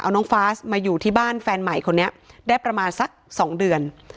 เอาน้องฟาสมาอยู่ที่บ้านแฟนใหม่คนนี้ได้ประมาณสัก๒เดือน